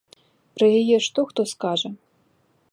Пра яе што хто скажа.